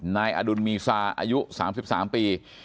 นายอดุลมีซาอายุ๓๓ปี